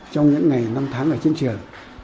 trong những ngày năm tháng ở chiến trường